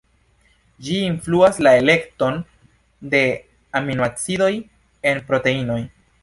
Ĝi influas la elekton de aminoacidoj en proteinoj.